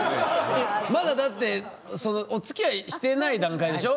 まだだってそのおつきあいしてない段階でしょ？